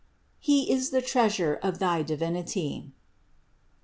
He is the treasure of thy Divinity."